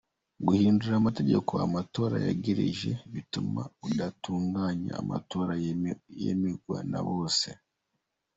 "Guhindura amategeko amatora yegereje bituma udatunganya amatora yemegwa na bose.